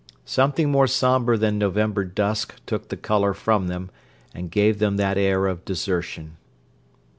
Something more sombre than November dusk took the colour from them and gave them that air of desertion.